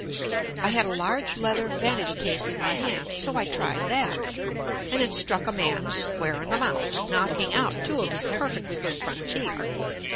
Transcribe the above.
I had a large leather vanity case in my hand so I tried that, and it struck a man square in the mouth, knocking out two of his perfectly good front teeth.